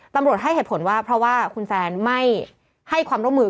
ตำรวจให้เหตุผลว่าเพราะว่าคุณแซนไม่ให้ความร่วมมือ